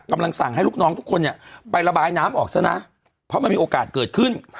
กำลังสั่งให้ลูกน้องทุกคนเนี่ยไประบายน้ำออกซะนะเพราะมันมีโอกาสเกิดขึ้น